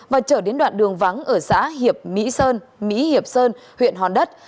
và trở đến đoạn đường vắng ở xã hiệp mỹ sơn mỹ hiệp sơn huyện hòn đất